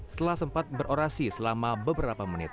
setelah sempat berorasi selama beberapa menit